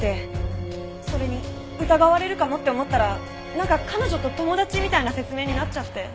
それに疑われるかもって思ったらなんか「彼女と友達」みたいな説明になっちゃって。